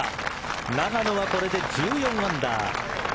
永野はこれで１４アンダー。